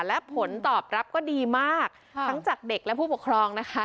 และผลตอบรับก็ดีมากทั้งจากเด็กและผู้ปกครองนะคะ